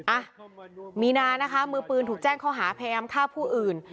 อ่ะมีนานะคะมือปืนถูกแจ้งข้อหาพยายามฆ่าผู้อื่น